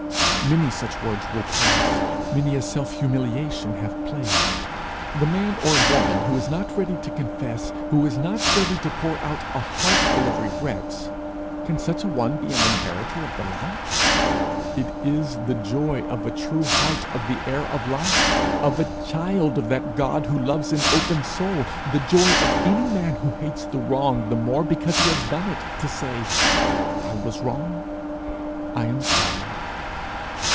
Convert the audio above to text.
Many such words will pass, many a self humiliation have place. The man or woman who is not ready to confess, who is not ready to pour out a heartful of regrets can such a one be an inheritor of the light? It is the joy of a true heart of an heir of light, of a child of that God who loves an open soul the joy of any man who hates the wrong the more because he has done it, to say, 'I was wrong; I am sorry.'